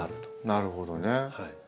なるほどね。